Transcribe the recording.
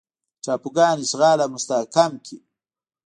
ټاپوګان اشغال او مستحکم کړي.